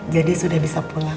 jadi sudah bisa pulang